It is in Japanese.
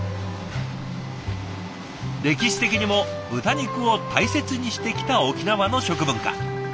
歴史的にも豚肉を大切にしてきた沖縄の食文化。